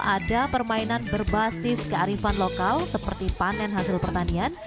ada permainan berbasis kearifan lokal seperti panen hasil pertanian